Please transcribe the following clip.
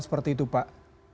seperti itu pak